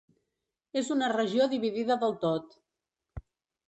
És una regió dividida del tot.